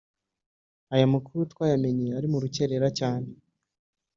aya makuru twayamenye ari mu rukerera cyane